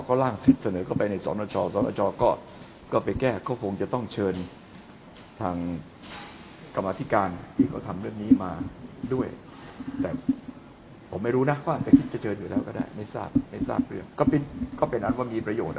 พอเขาล่างสิทธิ์เสนอก็ไปในสรชสรชก็ไปแก้เขาคงจะต้องเชิญทางกรรมฐิการที่เขาทำเรื่องนี้มาด้วยแต่ผมไม่รู้นะว่าอันแต่คิดจะเชิญอยู่แล้วก็ได้ไม่ทราบเรื่องก็เป็นอันว่ามีประโยชน์อ่ะ